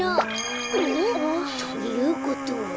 お？ということは。